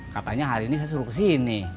katanya hari ini saya suruh kesini